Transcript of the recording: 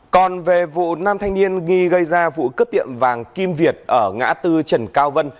còn về vụ nam thanh niên ghi gây ra vụ cướp tiệm vàng kim việt ở ngã tư trần cao vân